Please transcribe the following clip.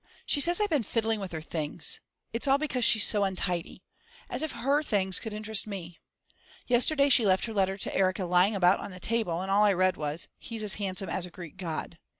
She says I've been fiddling with her things. It's all because she's so untidy. As if her things could interest me. Yesterday she left her letter to Erika lying about on the table, and all I read was: He's as handsome as a Greek god.